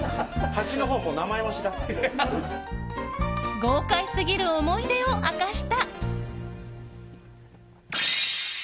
豪快すぎる思い出を明かした。